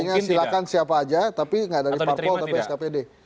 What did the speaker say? skpd nya silahkan siapa aja tapi nggak dari parpo tapi skpd